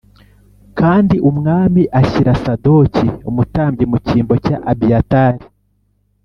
Kandi umwami ashyira Sadoki umutambyi mu cyimbo cya Abiyatari.